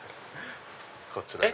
こちらが。